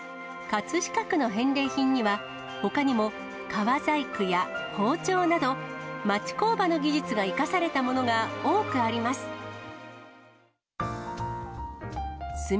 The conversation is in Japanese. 葛飾区の返礼品には、ほかにも革細工や包丁など、町工場の技術が生かされたものが多くあります。